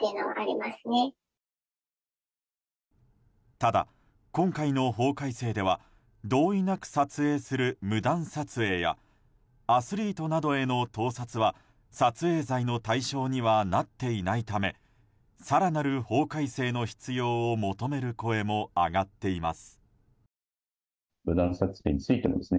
ただ、今回の法改正では同意なく撮影する無断撮影やアスリートなどへの盗撮は撮影罪の対象にはなっていないため更なる法改正の必要を求める声も上がっています。